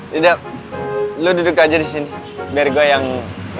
lidah lo duduk aja disini biar gue yang ngantri